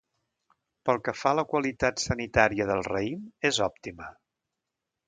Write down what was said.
Pel que fa a la qualitat sanitària del raïm és òptima.